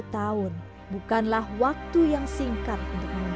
dua puluh satu tahun bukanlah waktu yang singkat untuk memperbaiki tiara